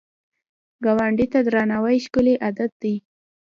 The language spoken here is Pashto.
ګاونډي ته درناوی ښکلی عادت دی